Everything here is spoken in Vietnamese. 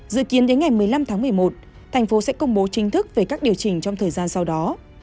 dự kiến đến ngày một mươi năm tháng một mươi một thành phố sẽ công bố chính thức về các điều chỉnh trong thời gian sau đó